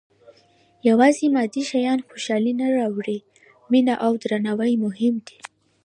• یوازې مادي شیان خوشالي نه راوړي، مینه او درناوی مهم دي.